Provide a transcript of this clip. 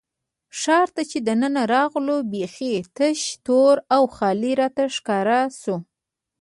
ښار ته چې دننه راغلو، بېخي تش، تور او خالي راته ښکاره شو.